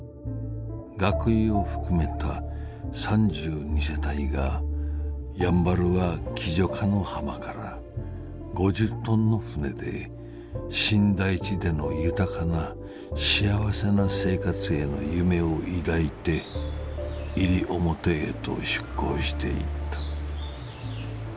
学友をふくめた３２世帯がやんばるは喜如嘉の浜から五十トンの船で新大地での豊かな幸せな生活への夢を抱いて西表へと出港していった」。